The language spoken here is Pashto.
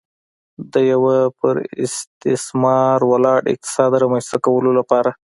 د یوه پر استثمار ولاړ اقتصاد رامنځته کولو لپاره.